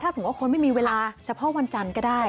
สมมุติว่าคนไม่มีเวลาเฉพาะวันจันทร์ก็ได้